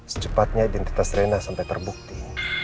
secepatnya identitas rena sampai terbukti